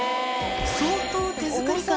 相当手作り感